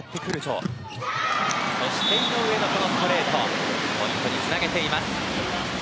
そして井上のストレートをポイントにつなげています。